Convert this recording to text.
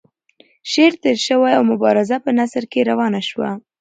شعر تیر شو او مبارزه په نثر کې روانه شوه.